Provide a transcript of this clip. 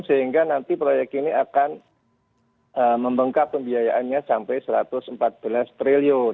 sehingga nanti proyek ini akan membengkak pembiayaannya sampai rp satu ratus empat belas triliun